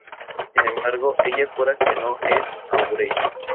Sin embargo, ella jura que no es Aubrey.